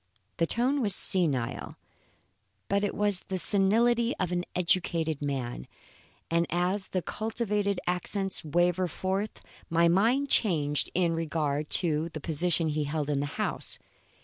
The tone was senile, but it was the senility of an educated man, and as the cultivated accents wavered forth, my mind changed in, regard to the position he held in the house.